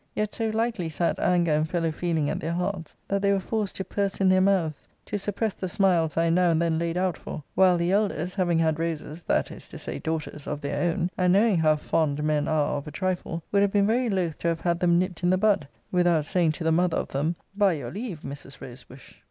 Yet so lightly sat anger and fellow feeling at their hearts, that they were forced to purse in their mouths, to suppress the smiles I now and then laid out for: while the elders having had roses (that is to say, daughters) of their own, and knowing how fond men are of a trifle, would have been very loth to have had them nipt in the bud, without saying to the mother of them, By your leave, Mrs. Rose bush.